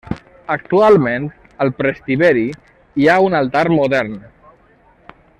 Actualment, al presbiteri, hi ha un altar modern.